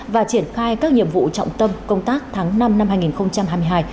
và triển khai các nhiệm vụ trọng tâm công tác tháng năm năm hai nghìn hai mươi hai